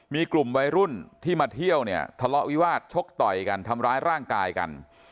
มีกลุ่มวัยรุ่นที่มาเที่ยวเนี่ยทะเลาะวิวาสชกต่อยกันทำร้ายร่างกายกัน